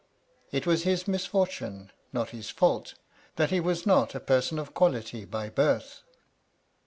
It was his misfortune, not his fault, that he was not a person of quality by birth."